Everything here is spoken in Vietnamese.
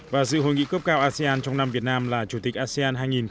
và dự hội nghị cấp cao asean trong năm việt nam là chủ tịch asean hai nghìn hai mươi